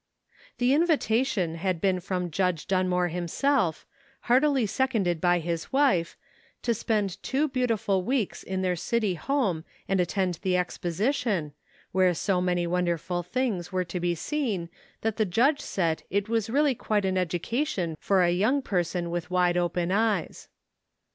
The invitation had been from Judge Dun more himself, heartily seconded by his wife, to spend two beautiful weeks in their city home and attend the Exposition, where so many won derful things were to be seen that the Judge said it was really quite an education for a young person with wide open eyes.